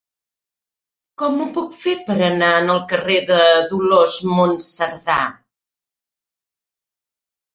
Com ho puc fer per anar al carrer de Dolors Monserdà?